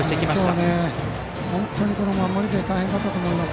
今日は本当に守りで大変だったと思います。